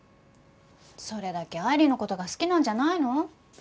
それだけ愛理の事が好きなんじゃないの？